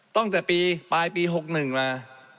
ตั้งแต่ปีปลายปี๖๑มา